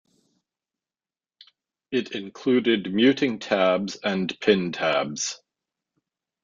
It included muting tabs and pinned tabs.